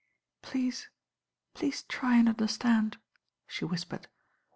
"Please— please try and understand," she whis pered.